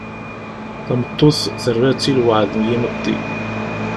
Tameṭṭut, terra-tt i lwaɛd n yimeṭṭi.